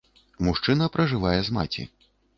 Мужчына пражывае з маці.